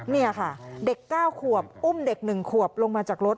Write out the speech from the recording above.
นี่ค่ะเด็ก๙ขวบอุ้มเด็ก๑ขวบลงมาจากรถ